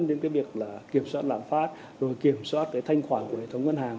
đến cái việc kiểm soát lãng phát rồi kiểm soát cái thanh khoản của hệ thống ngân hàng